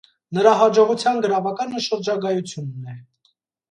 Նրա հաջողության գրավականը շրջագայությունն է։